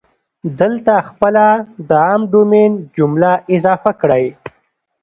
دلته خپله د عام ډومین جمله اضافه کړئ.